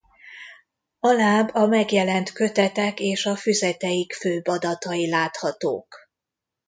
Alább a megjelent kötetek és a füzeteik főbb adatai láthatók.